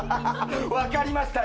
分かりましたよ